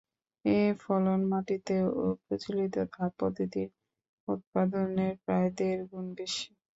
এ ফলন মাটিতে ও প্রচলিত ধাপপদ্ধতির উৎপাদনের প্রায় দেড় গুণ বেশি।